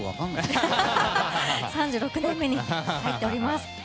３６年目に入っております。